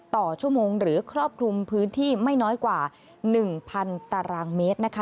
ต่อชั่วโมงหรือครอบคลุมพื้นที่ไม่น้อยกว่า๑๐๐ตารางเมตรนะคะ